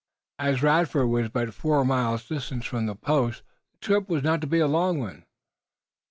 As Radford was but four miles distant from the post the trip was not to be a long one.